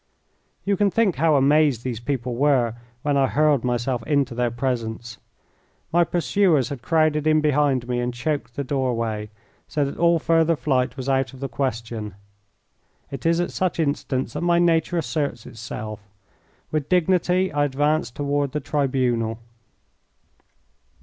You can think how amazed these people were when I hurled myself into their presence. My pursuers had crowded in behind me and choked the doorway, so that all further flight was out of the question. It is at such instants that my nature asserts itself. With dignity I advanced toward the tribunal.